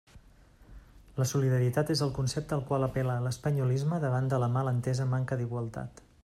La solidaritat és el concepte al qual apel·la l'espanyolisme davant de la mal entesa manca d'igualtat.